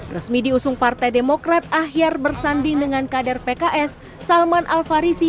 resmi diusung partai demokrat ahyar bersanding dengan kader pks salman al farisi